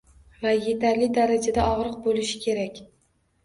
Va yetarli darajada og’riq bo’lishi kerak.